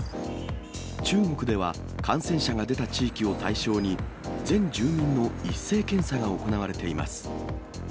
中国では、感染者が出た地域を対象に、全住民の一斉検査が行われています。